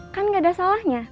kan gak ada salahnya